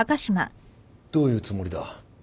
どういうつもりだ？